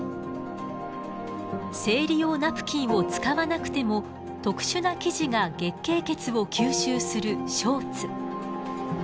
生理用ナプキンを使わなくても特殊な生地が月経血を吸収するショーツ。